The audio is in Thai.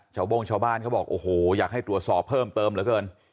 โบ้งชาวบ้านเขาบอกโอ้โหอยากให้ตรวจสอบเพิ่มเติมเหลือเกิน